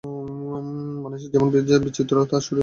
মানুষের মন যেমন বিচিত্র, তার শরীরও তেমনি।